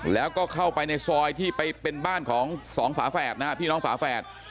แล้วก็เข้าไปในซอยที่ไปเป็นบ้านของสองฝาแฝดนะฮะพี่น้องฝาแฝด